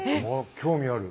興味ある。